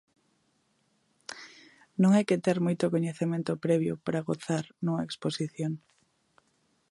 Non hai que ter moito coñecemento previo para gozar nunha exposición.